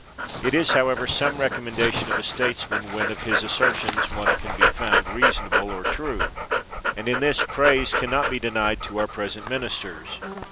It is, however, some recommendation of a statesman, when, of his assertions, one can be found reasonable or true; and in this, praise can not be denied to our present ministers.